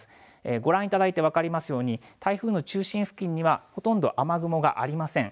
ご覧いただいて分かりますように台風の中心付近にはほとんど雨雲がありません。